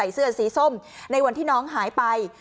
เสื้อสีส้มในวันที่น้องหายไป